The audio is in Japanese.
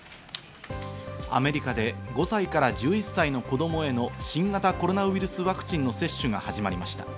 アメリカで５歳から１１歳の子供への新型コロナウイルスワクチンの接種が始まりました。